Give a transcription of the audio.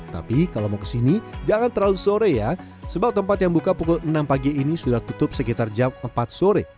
tapi kalau mau kesini jangan terlalu sore ya sebab tempat yang buka pukul enam pagi ini sudah tutup sekitar jam empat sore